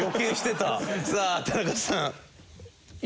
さあ田中さん。